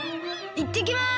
いってきます！